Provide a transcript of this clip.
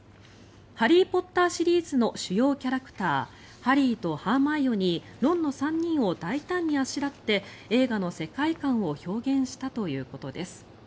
「ハリー・ポッター」シリーズの主要キャラクターハリーとハーマイオニーロンの３人を大胆にあしらって映画の世界観を表現したということです。